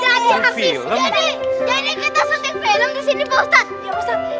jadi jadi kita syuting film di sini pak ustaz